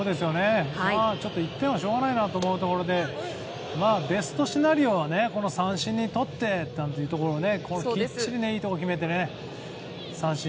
１点はしょうがないなと思うところでベストシナリオは三振にとって、というところをきっちりといいところに決めて三振。